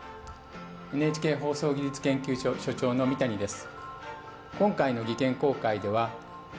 ＮＨＫ放送技術研究所所長の三谷です。